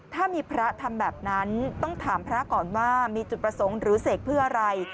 ถ้ามีพระทำแบบนั้นต้องถามพระก่อนว่ามีจุดประสงค์หรือเสกเพื่ออะไร